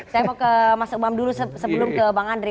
saya mau ke mas umam dulu sebelum ke bang andri